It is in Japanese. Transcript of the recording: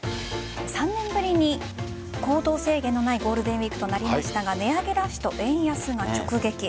３年ぶりに行動制限のないゴールデンウイークとなりましたが値上げラッシュと円安が直撃。